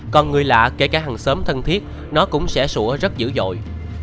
còn người lạ kể cả hàng xóm thân thiết nó cũng sẽ sủa rất dữ dội